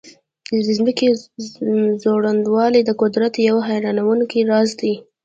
د ځمکې ځوړندوالی د قدرت یو حیرانونکی راز دی.